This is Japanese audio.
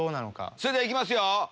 それでは行きますよ！